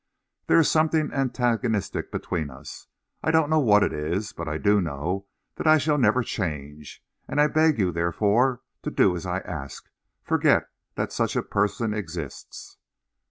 There is something antagonistic between us. I don't know what it is, but I do know that I shall never change. And I beg you, therefore, to do as I ask you forget that such a person exists.